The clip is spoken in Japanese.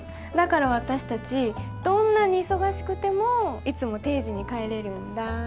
だから私たちどんなに忙しくてもいつも定時に帰れるんだ。